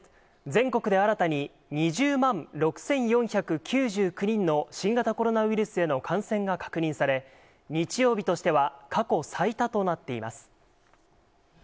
全国で新たに、２０万６４９９人の新型コロナウイルスへの感染が確認され、日曜日としては過去最多となっています。